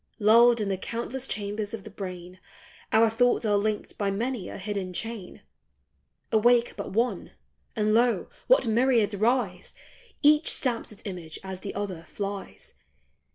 Lulled in the countless chambers of the brain, Our thoughts are linked by many a hidden chain. Awake but one, and lo, what myriads rise ! Each stamps its image as the other flies